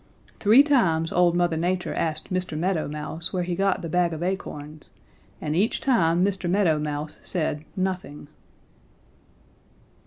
"Three times old Mother Nature asked Mr. Meadow Mouse where he got the bag of acorns, and each time Mr. Meadow Mouse said nothing.